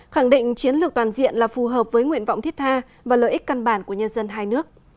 khẳng định chiến lược toàn diện là phù hợp với nguyện vọng thiết tha và lợi ích căn bản của nhân dân hai nước